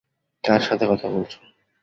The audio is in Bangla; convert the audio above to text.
কার সাথে কথা বলছ?